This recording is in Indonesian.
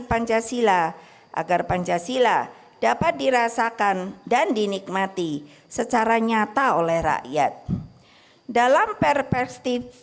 pancasila agar pancasila dapat dirasakan dan dinikmati secara nyata oleh rakyat dalam perpres